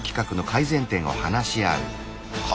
は